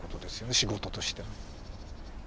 仕事としてね。